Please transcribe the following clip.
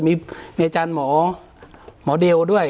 มีท่านหมอเดลด้วย